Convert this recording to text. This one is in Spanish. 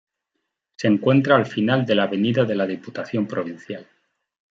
Se encuentra al final de la avenida de la Diputación Provincial.